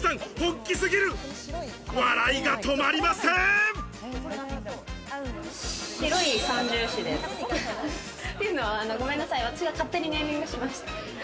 っていうのは、ごめんなさい、私が勝手にネーミングしました。